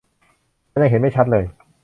มันยังเห็นไม่ชัดเลย